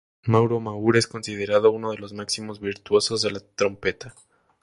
Mauro Maur es considerado uno de los máximos virtuosos de la trompeta.